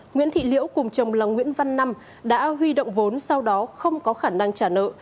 nguyễn thị liễu cùng chồng là nguyễn văn năm đã huy động vốn sau đó không có khả năng trả nợ